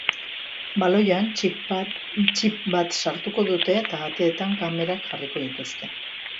Baloian txip bat sartuko dute eta ateetan kamerak jarriko dituzte.